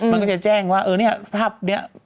มันก็จะแจ้งว่าเออเนี่ยภาพนี้